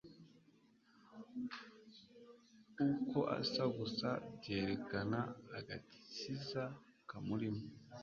uko asa gusa byerekana agakiza kamurimo.